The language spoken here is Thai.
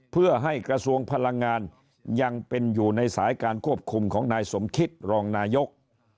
เพื่อให้กระทรวงพลังงานยังเป็นอยู่ในสายการควบคุมของนายสมคิดรองนายก